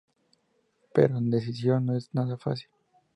Pero, esa decisión no es nada fácil.